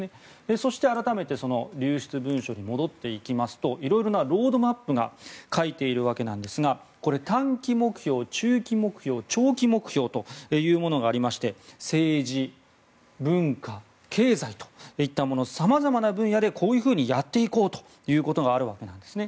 そして、改めて流出文書に戻りますといろいろなロードマップが書いているわけなんですが短期目標、中期目標長期目標というものがありまして政治、文化、経済といったさまざまな分野でこういうふうにやっていこうというものがあるんですね。